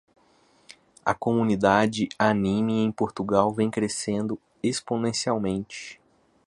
A comunidade animé em Portugal vem crescendo exponencialmente.